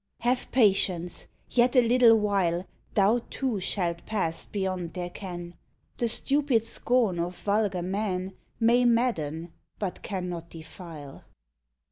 Have patience ! Yet a little while, Thou, too, shall pass beyond their ken ; The stupid scorn of vulgar men May madden, but cannot defile.